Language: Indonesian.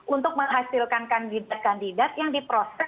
untuk menghasilkan kandidat kandidat yang diproses